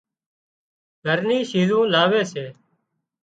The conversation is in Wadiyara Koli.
گھر ني شيزون لاوي سي